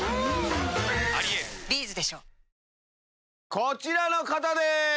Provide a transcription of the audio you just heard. こちらの方です！